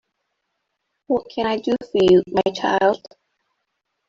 What can I do for you, my child?